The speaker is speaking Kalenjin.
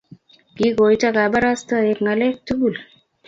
kikoito kabarastaiki ngalek tugul